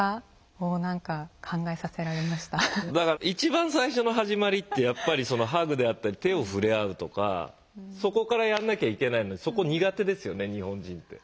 だから一番最初の始まりってやっぱりハグであったり手を触れ合うとかそこからやんなきゃいけないのにそこ苦手ですよね日本人って。